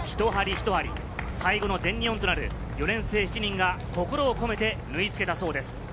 一針一針、最後の全日本となる４年生７人が心を込めて縫い付けたそうです。